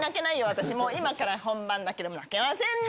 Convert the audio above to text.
私もう今から本番だけど泣けません！